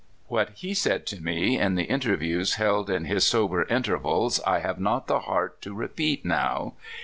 What he said to me in the interviews held in his sober intervals I have not the heart to repeat now.